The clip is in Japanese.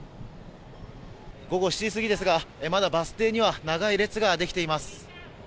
午後７時過ぎですが、まだバス停には長い列が出来ています。